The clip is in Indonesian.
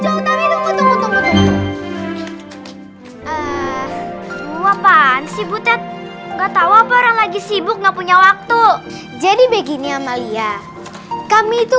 waban si butet nggak tahu apa orang lagi sibuk nggak punya waktu jadi begini amalia kami itu